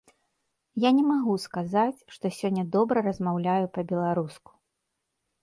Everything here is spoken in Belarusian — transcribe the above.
Я не магу сказаць, што сёння добра размаўляю па-беларуску.